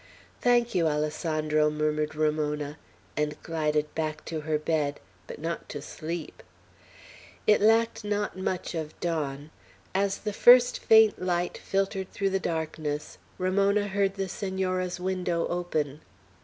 "Thank you, Alessandro," murmured Ramona, and glided back to her bed, but not to sleep. It lacked not much of dawn; as the first faint light filtered through the darkness, Ramona heard the Senora's window open.